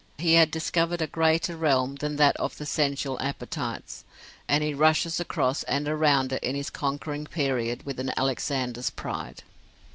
He had discovered a greater realm than that of the sensual appetites, and he rushed across and around it in his conquering period with an Alexander's pride.